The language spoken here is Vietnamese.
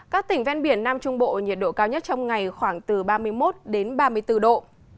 các tỉnh ven biển nam trung bộ nhiệt độ cao nhất trong ngày khoảng từ ba mươi một ba mươi bốn độ